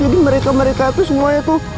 jadi mereka mereka itu semuanya tuh